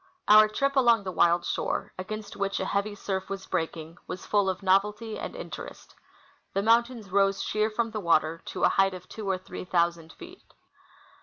Our trij^ along the wild shore, against which a heavy surf was breaking, was full of nov elty and interest. The mountains rose sheer from the water to a height of two or three thousand feet.